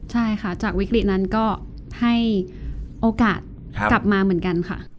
ใช่ค่ะจากวิกฤตนั้นก็ให้โอกาสกลับมาเหมือนกันค่ะ